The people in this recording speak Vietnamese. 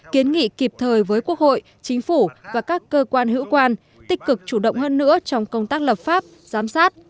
kiến nghị kịp thời với quốc hội chính phủ và các cơ quan hữu quan tích cực chủ động hơn nữa trong công tác lập pháp giám sát